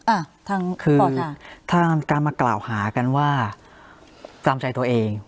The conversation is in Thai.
อ่ะทางคือทางการมากล่าวหากันว่าตามใจตัวเอง